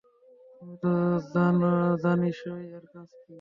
তুই তো জানিসই এর কাজ কি।